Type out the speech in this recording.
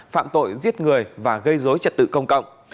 phạm tội giết người và gây dối trật tự công cộng